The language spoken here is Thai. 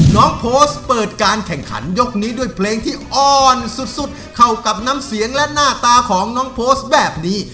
โพสต์เปิดการแข่งขันยกนี้ด้วยเพลงที่อ่อนสุดเข้ากับน้ำเสียงและหน้าตาของน้องโพสต์แบบนี้